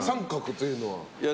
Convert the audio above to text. △というのは？